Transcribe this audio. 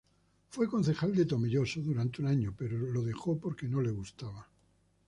Fue concejal de Tomelloso durante un año, pero lo dejó porque no le gustaba.